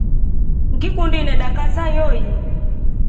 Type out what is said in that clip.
Ngikundi inadakaa saa yoyi.